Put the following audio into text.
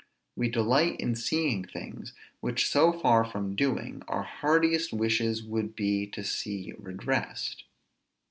We delight in seeing things, which so far from doing, our heartiest wishes would be to see redressed.